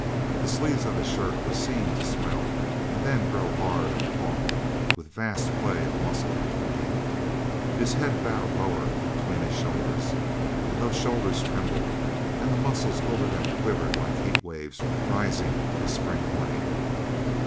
The sleeves of his shirt were seen to swell and then grow hard and taut with vast play of muscle beneath. His head bowed lower between his shoulders, and those shoulders trembled, and the muscles over them quivered like heat waves rising of a spring morning.